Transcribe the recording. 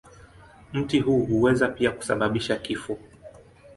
Mti huu huweza pia kusababisha kifo.